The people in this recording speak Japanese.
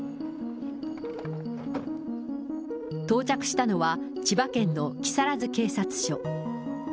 到着したのは、千葉県の木更津警察署。